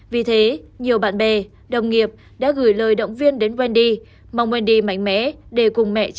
vì thế nhiều bạn bè đồng nghiệp đã gửi lời động viên đến wendy mong wendy mạnh mẽ để cùng mẹ